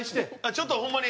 ちょっとホンマに。